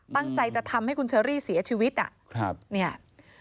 ตั้งใจจะทำให้คุณเชอรี่เสียชีวิตอ่ะ